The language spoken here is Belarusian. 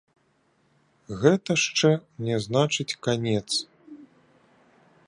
Гэта шчэ не значыць канец.